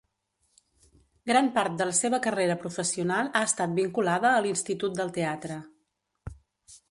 Gran part de la seva carrera professional ha estat vinculada a l'Institut del Teatre.